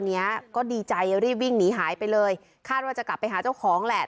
รีบวิ่งหนีหายไปเลยคาดว่าจะกลับไปหาเจ้าของแหละ